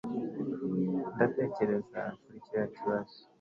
ndatekereza kuri kiriya kibazo